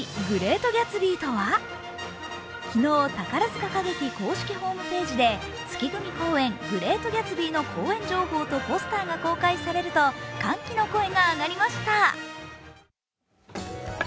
昨日、宝塚歌劇公式ホームページで月組公演「グレート・ギャツビー」の公演情報とポスターが公開されると歓喜の声が上がりました。